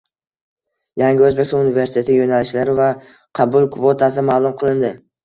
Yangi O‘zbekiston universiteti yo‘nalishlari va qabul kvotasi ma’lum qilindi